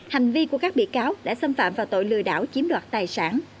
hành vi của các bị cáo đã xâm phạm vào tội lừa đảo chiếm đoạt tài sản